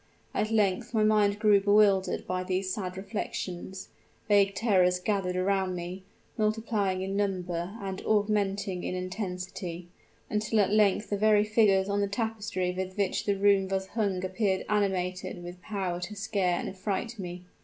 At length my mind grew bewildered by those sad reflections; vague terrors gathered around me multiplying in number and augmenting in intensity, until at length the very figures on the tapestry with which the room was hung appeared animated with power to scare and affright me.